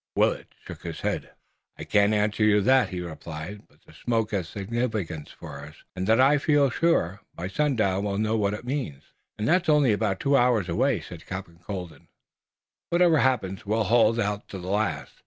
Willet shook his head. "I can't answer you there," he replied; "but the smoke has significance for us. Of that I feel sure. By sundown we'll know what it means." "And that's only about two hours away," said Captain Colden. "Whatever happens we'll hold out to the last.